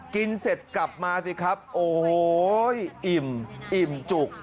กินเสร็จกลับมาสิครับโอ้โหอิ่มอิ่มจุก